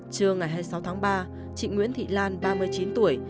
trưa ngày hai mươi sáu tháng ba chị nguyễn thị lan ba mươi chín tuổi